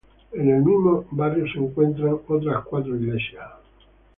En el mismo barrio se encuentran otras cuatro iglesias católicas.